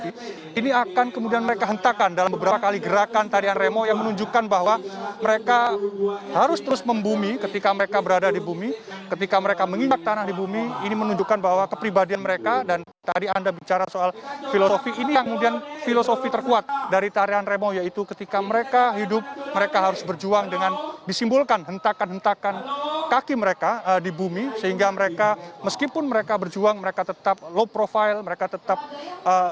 ini akan kemudian mereka hentakan dalam beberapa kali gerakan tarian remo yang menunjukkan bahwa mereka harus terus membumi ketika mereka berada di bumi ketika mereka mengingat tanah di bumi ini menunjukkan bahwa kepribadian mereka dan tadi anda bicara soal filosofi ini yang kemudian filosofi terkuat dari tarian remo yaitu ketika mereka hidup mereka harus berjuang dengan disimbolkan hentakan hentakan kaki mereka di bumi sehingga mereka meskipun mereka berjuang mereka tetap low profile mereka tetap berjuang